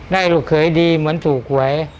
ได้ลูกเขยดีเหมือนถูกไว้